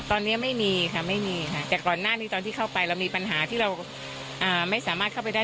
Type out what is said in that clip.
ตอนนี้ไม่มีค่ะไม่มีค่ะแต่ก่อนหน้านี้ตอนที่เข้าไปเรามีปัญหาที่เราไม่สามารถเข้าไปได้